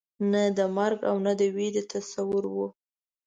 نه د مرګ او نه د وېرې تصور وو.